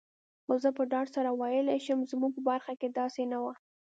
خو زه په ډاډ سره ویلای شم، زموږ په برخه کي داسي نه وو.